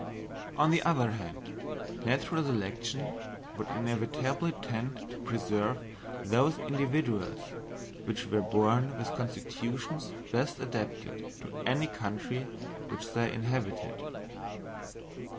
On the other hand, natural selection would inevitably tend to preserve those individuals which were born with constitutions best adapted to any country which they inhabited.